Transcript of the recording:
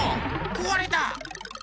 こわれた！